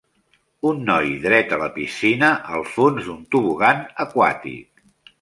Un noi dret a la piscina al fons d'un tobogan aquàtic.